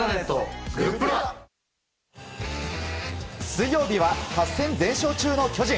水曜日は８戦全勝中の巨人。